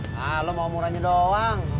nah lo mau murahnya doang